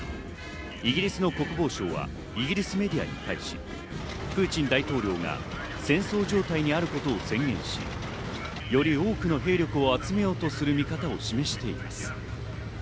イギリスの国防省はイギリスメディアに対し、プーチン大統領が戦争状態にあることを宣言し、より多くの兵力を集めようとする見方を示しています。